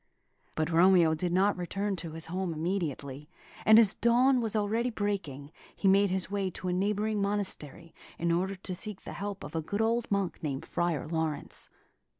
But Romeo did not return to his home immediately; and as dawn was already breaking, he made his way to a neighbouring monastery, in order to seek the help of a good old monk named Friar Laurence.